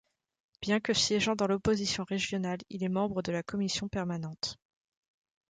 Bien que siégeant dans l'opposition régionale, il est membre de la Commission permanente.